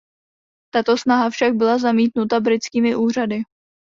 Tato snaha však byla zamítnuta britskými úřady.